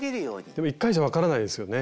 でも１回じゃ分からないですよね。